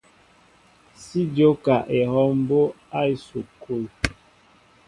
Si jóka ehɔw mbóʼ á esukul.